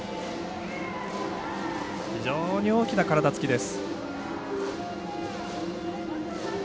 非常に大きな体つきです。